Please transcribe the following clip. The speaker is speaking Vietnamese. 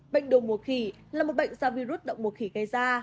bệnh đồ mùa khỉ là một bệnh do virus động mùa khỉ gây ra